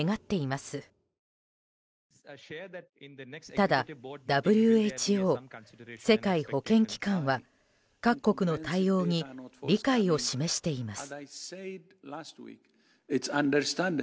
ただ、ＷＨＯ・世界保健機関は各国の対応に理解を示しています。